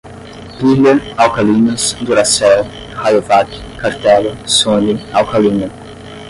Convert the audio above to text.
Pilha, alcalinas, duracell, rayovak, cartela, sony, alcalina